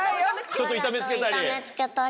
ちょっと痛めつけたり？